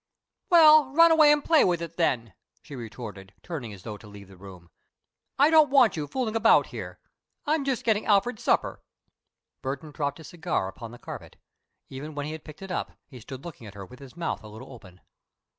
"Well, run away and play with it, then!" she retorted, turning as though to leave the room. "I don't want you fooling about here. I'm just getting Alfred's supper." Burton dropped his cigar upon the carpet. Even when he had picked it up, he stood looking at her with his mouth a little open.